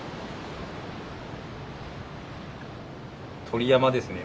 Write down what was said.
鳥山ですね。